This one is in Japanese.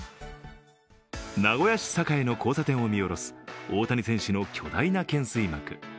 名古屋市栄の交差点を見下ろす大谷選手の巨大な懸垂幕。